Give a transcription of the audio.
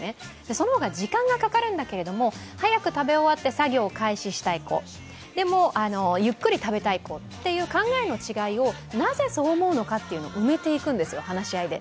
そのほうが時間がかかるんだけれども、早く食べ終わって作業を開始したい子、でも、ゆっくり食べたい子という考えの違いを、なぜそう思うのか埋めていくんですよ、話し合いで。